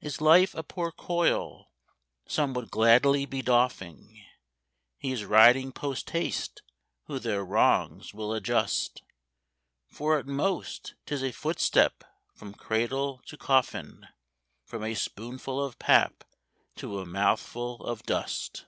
Is life a poor coil some would gladly be doffing? He is riding post haste who their wrongs will adjust; For at most 'tis a footstep from cradle to coffin,— From a spoonful of pap to a mouthful of dust.